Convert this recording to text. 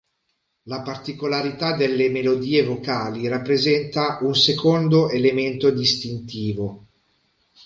La particolarità delle melodie vocali rappresenta un secondo elemento distintivo.